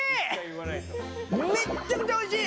めっちゃくちゃおいしい！